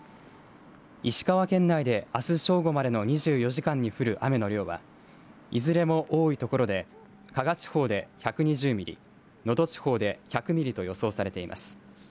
石川県内で、あす正午までの２４時間に降る雨の量はいずれも多い所で加賀地方で１２０ミリ能登地方で１００ミリと予想されています。